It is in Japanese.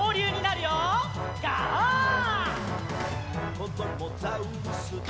「こどもザウルス